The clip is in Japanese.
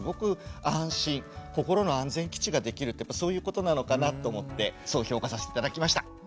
心の安全基地ができるってそういうことなのかなと思ってそう評価させて頂きました。